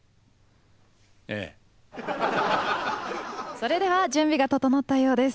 それでは準備が整ったようです。